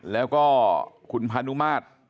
แล้วก็คุณพานุมาตร